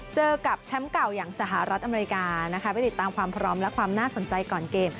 เจอกับแชมป์เก่าอย่างสหรัฐอเมริกานะคะไปติดตามความพร้อมและความน่าสนใจก่อนเกม